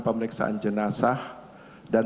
pemeriksaan jenazah dan